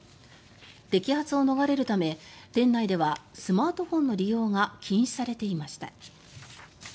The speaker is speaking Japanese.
摘発を逃れるため、店内ではスマートフォンの利用が禁止されていました。